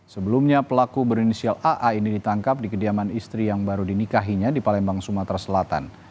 sebelumnya pelaku berinisial aa ini ditangkap di kediaman istri yang baru dinikahinya di palembang sumatera selatan